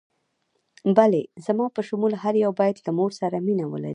بلې، زما په شمول هر یو باید له مور سره مینه ولري.